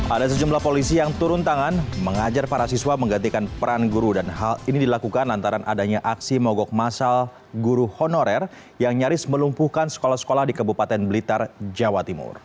ada sejumlah polisi yang turun tangan mengajar para siswa menggantikan peran guru dan hal ini dilakukan antara adanya aksi mogok masal guru honorer yang nyaris melumpuhkan sekolah sekolah di kabupaten blitar jawa timur